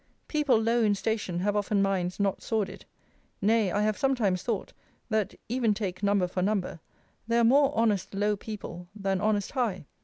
People low in station have often minds not sordid. Nay, I have sometimes thought, that (even take number for number) there are more honest low people, than honest high.